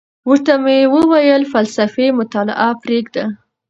ورته ومي ویل فلسفي مطالعه پریږده،